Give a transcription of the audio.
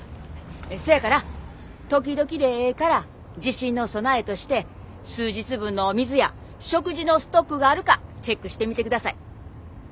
そやから時々でええから地震の備えとして数日分のお水や食事のストックがあるかチェックしてみてください。